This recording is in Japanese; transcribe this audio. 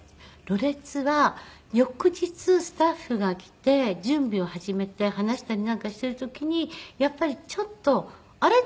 ろれつは翌日スタッフが来て準備を始めて話したりなんかしている時にやっぱりちょっとあれ？